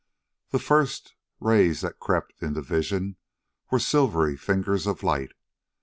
The first rays that crept into vision were silvery fingers of light.